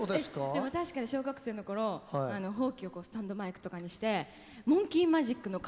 でも確かに小学生の頃ほうきをスタンドマイクとかにして「モンキー・マジック」の替え歌とかやってたんですよ。